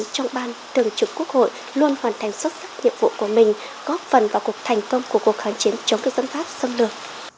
trong ban thường trực quốc hội đã cuộc sống rất là khó khăn và gian khổ